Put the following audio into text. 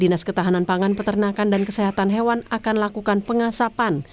dinas ketahanan pangan peternakan dan kesehatan hewan akan lakukan pengasapan